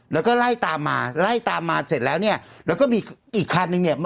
แล้วก็ไล่ตามมาไล่ตามมาเสร็จแล้วเนี่ยแล้วก็มีอีกคันนึงเนี่ย